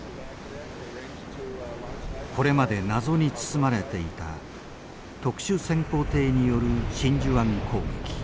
これまで謎に包まれていた特殊潜航艇による真珠湾攻撃。